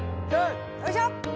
よいしょっ